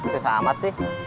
susah amat sih